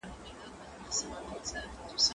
لوښي د مور له خوا مينځل کيږي،